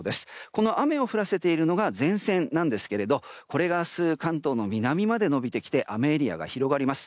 この雨を降らせているのが前線なんですけれどもこれが明日、関東の南まで延びてきて雨エリアが広がります。